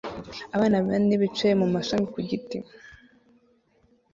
Abantu bane bicaye mumashami ku giti